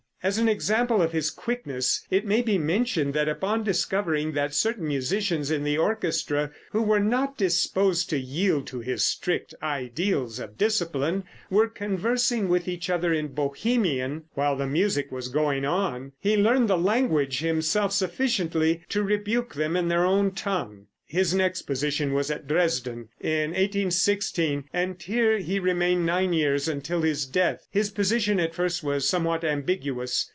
As an example of his quickness it may be mentioned that upon discovering that certain musicians in the orchestra, who were not disposed to yield to his strict ideas of discipline, were conversing with each other in Bohemian, while the music was going on, he learned the language himself sufficiently to rebuke them in their own tongue. His next position was at Dresden in 1816, and here he remained nine years until his death. His position at first was somewhat ambiguous.